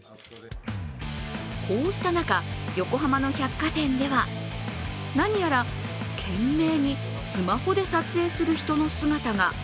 こうした中、横浜の百貨店では何やら、懸命にスマホで撮影する人の姿が。